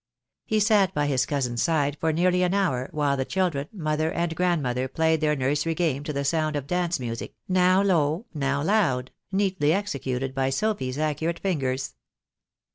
He sat by his cousin's side for nearly an hour, while the children, mother, and grandmother played their nursery game to the sound of dance music, now low, now loud, neatly executed by Sophy's accurate fingers.